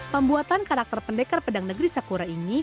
pembuatan karakter pendekar pedang negeri sakura ini